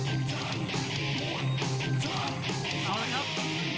เอาละครับ